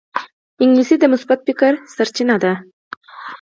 انګلیسي د مثبت فکر سرچینه ده